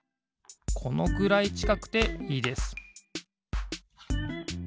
このくらいちかくていいです